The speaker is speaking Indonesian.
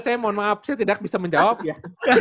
saya mohon maaf saya tidak bisa menjawab ya